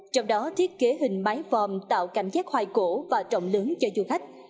trong đó thiết kế hình mái vòm tạo cảm giác hoài cổ và trọng lớn cho du khách